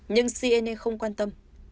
nhưng siene không quan tâm